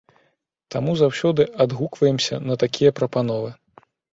Таму заўсёды адгукваемся на такія прапановы.